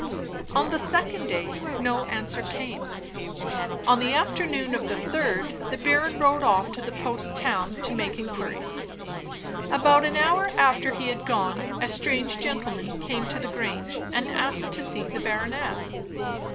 On the second day no answer came. On the afternoon of the third, the baron rode off to the post town to make inquiries. About an hour after he had gone, a strange gentleman came to the Grange and asked to see the baroness.